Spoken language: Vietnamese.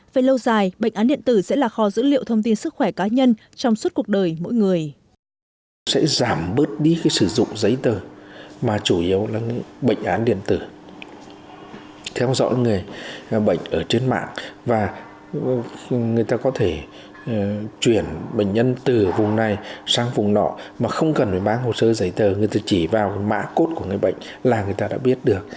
về lâu dài bệnh án điện tử sẽ là kho dữ liệu thông tin sức khỏe cá nhân trong suốt cuộc đời mỗi người